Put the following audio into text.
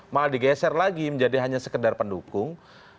malah digeser lagi menjadi hanya sekedar pendukung